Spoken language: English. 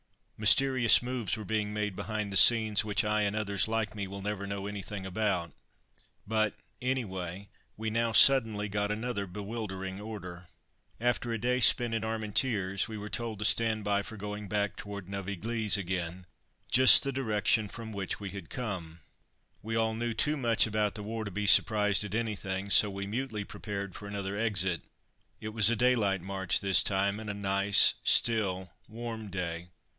Mysterious moves were being made behind the scenes which I, and others like me, will never know anything about; but, anyway, we now suddenly got another bewildering order. After a day spent in Armentières we were told to stand by for going back towards Neuve Eglise again, just the direction from which we had come. We all knew too much about the war to be surprised at anything, so we mutely prepared for another exit. It was a daylight march this time, and a nice, still, warm day.